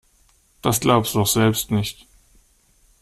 Das glaubst du doch selbst nicht.